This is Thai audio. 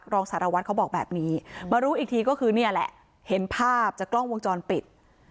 รองสารวัตรเขาบอกแบบนี้มารู้อีกทีก็คือเนี่ยแหละเห็นภาพจากกล้องวงจรปิด